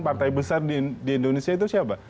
partai besar di indonesia itu siapa